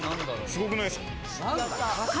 すごくないですか？